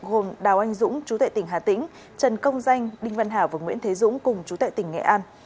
gồm đào anh dũng chú tệ tỉnh hà tĩnh trần công danh đinh văn hảo và nguyễn thế dũng cùng chú tệ tỉnh nghệ an